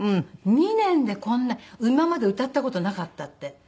２年でこんな今まで歌った事なかったって。